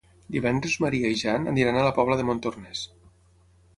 Divendres en Maria i en Jan iran a la Pobla de Montornès.